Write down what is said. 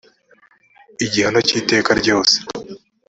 igihano cy iteka ryose